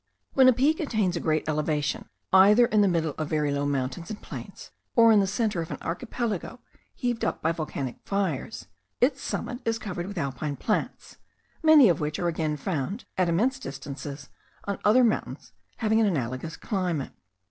When a peak attains a great elevation, either in the middle of very low mountains and plains, or in the centre of an archipelago heaved up by volcanic fires, its summit is covered with alpine plants, many of which are again found, at immense distances, on other mountains having an analogous climate.